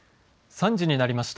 ３時になりました。